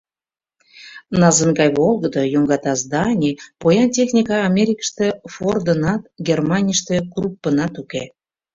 НАЗ-ын гай волгыдо, йоҥгата зданий, поян техника Америкыште Фордынат, Германийыште Круппынат уке.